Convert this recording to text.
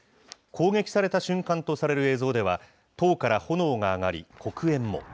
攻撃された瞬間とされる映像では、塔から炎が上がり、黒煙も。